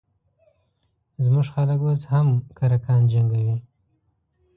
زموږ خلک اوس هم کرکان جنګوي